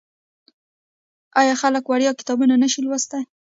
آیا خلک وړیا کتابونه نشي لوستلی؟